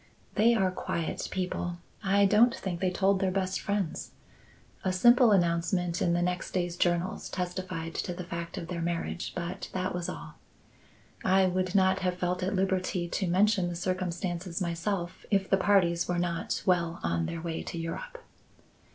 "They are quiet people. I don't think they told their best friends. A simple announcement in the next day's journals testified to the fact of their marriage, but that was all. I would not have felt at liberty to mention the circumstances myself, if the parties were not well on their way to Europe."